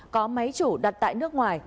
có máy chủ đặt tại nước ngoài